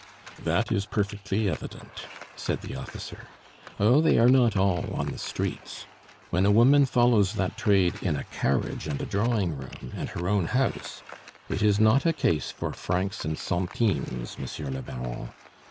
"That is perfectly evident," said the officer. "Oh, they are not all on the streets! When a woman follows that trade in a carriage and a drawing room, and her own house, it is not a case for francs and centimes, Monsieur le Baron.